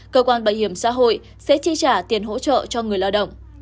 cơ quan bảo hiểm xã hội sẽ chi trả tiền hỗ trợ cho người lao động